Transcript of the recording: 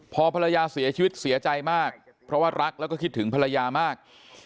พอภรรยาเสียชีวิตเสียใจมากเพราะว่ารักแล้วก็คิดถึงภรรยามาก